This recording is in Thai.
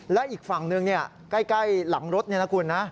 และอีกฝั่งหนึ่งใกล้หลังรถนี่นะคุณนะ